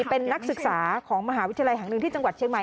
เป็นนักศึกษาของมหาวิทยาลัยแห่งหนึ่งที่จังหวัดเชียงใหม่